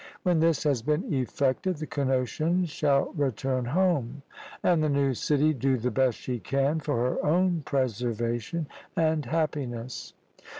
When this has been effected, the Cnosians shall return home, and the new city do the best she can for her own preservation and happiness.